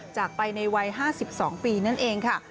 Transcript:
จากไปในวัย๕๒ปีนั่นเองค่ะ